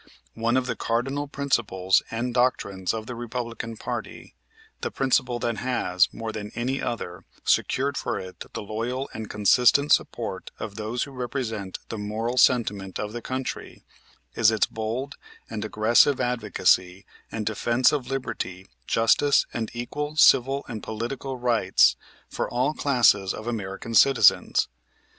One of the cardinal principles and doctrines of the Republican party, the principle that has, more than any other, secured for it the loyal and consistent support of those who represent the moral sentiment of the country, is its bold and aggressive advocacy and defense of liberty, justice, and equal civil and political rights for all classes of American citizens.